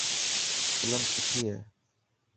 فلم سٺي هئي.